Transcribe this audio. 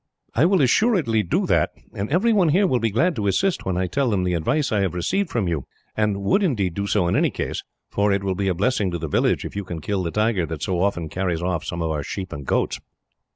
"I will assuredly do that, and every one here will be glad to assist, when I tell them the advice I have received from you and would, indeed, do so in any case, for it will be a blessing to the village, if you can kill the tiger that so often carries off some of our sheep and goats."